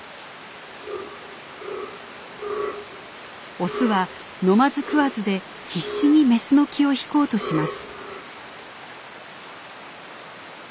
オスは飲まず食わずで必死にメスの気を引こうとします。